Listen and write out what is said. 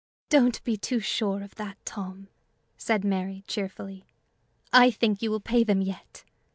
"Don't be too sure of that, Tom," said Mary, cheerfully. "I think you will pay them yet.